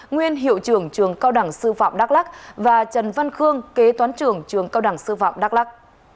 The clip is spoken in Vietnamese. nguyên hiệu trưởng trường cao đẳng sư phạm đắk lắc và trần văn khương kế toán trưởng trường cao đẳng sư phạm đắk lắc